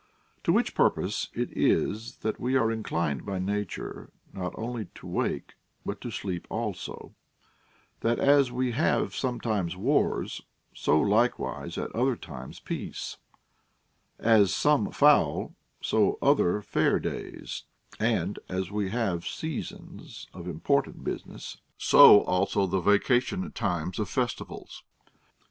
To which purpose it is that we are inclined by nature not only to wake, but to sleep also ; that as we have sometimes wars, so like wise at other times peace ; as some foul, so other fair days ; and, as Λνβ have seasons of important business, so also the vacation times of festivals.